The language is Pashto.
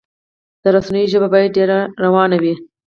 د رسنیو ژبه باید ډیره روانه وي.